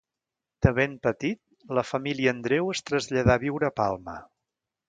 De ben petit, la família Andreu es traslladà a viure a Palma.